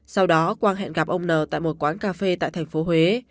sau đó quang hẹn gặp ông n tại một quán cà phê tại thành phố huế